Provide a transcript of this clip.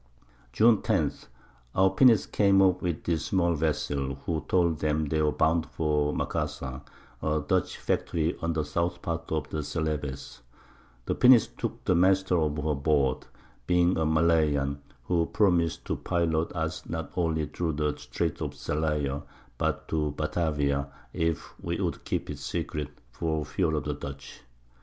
June 10. Our Pinnaces came up with this small Vessel, who told them they were bound for Macassar, a Dutch Factory on the South Part of Celebes: The Pinnace took the Master of her aboard, (being a Malayan) who promis'd to pilot us not only through the Streights of Zalayer, but to Batavia, if we would keep it secret, for fear of the Dutch.